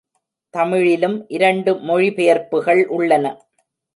தமிழிலும் இரண்டு மொழி பெயர்ப்புகள் உள்ளன.